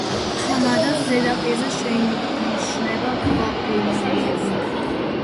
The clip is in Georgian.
ჰამადას ზედაპირზე შეინიშნება ქვაფენილები.